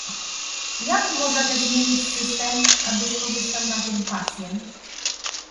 Jak możemy zmienić system, aby skorzystał na tym pacjent?